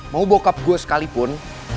mau bokap gue sekalipun